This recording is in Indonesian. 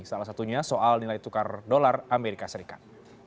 salah satunya soal nilai tukar dolar amerika serikat